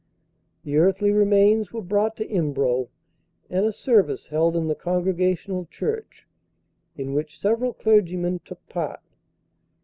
The earthly remains were brought to Embro, and a service held in the Congregational church, in which several clergymen took part.